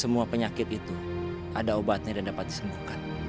semua penyakit itu ada obatnya dan dapat disembuhkan